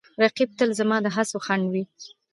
رقیب تل زما د هڅو خنډ وي